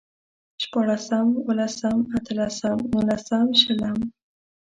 شپاړسم، اوولسم، اتلسم، نولسم، شلم